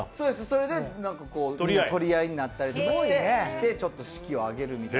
それで取り合いになったりして、着て、ちょっと士気を上げるみたいな。